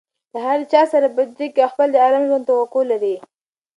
له هرچا سره بدي کوى او خپله د آرام ژوند توقع لري.